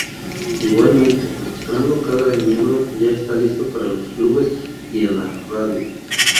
Igualmente mostrando cada miembro, ya está listo para los clubes y en la radio.